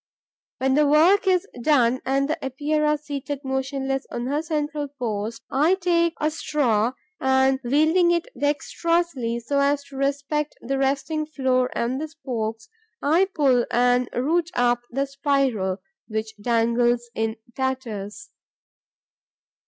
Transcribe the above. When the work is done and the Epeira seated motionless at her central post, I take a straw and, wielding it dexterously, so as to respect the resting floor and the spokes, I pull and root up the spiral, which dangles in tatters.